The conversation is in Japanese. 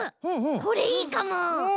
これいいかも。